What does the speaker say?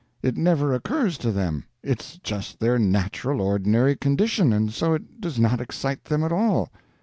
It never occurs to them; it's just their natural ordinary condition, and so it does not excite them at all.